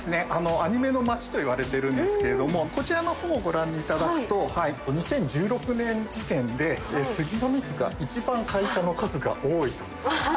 アニメの街と言われてるんですけれどもこちらのほうご覧いただくと２０１６年時点で杉並区がいちばん会社の数が多いと。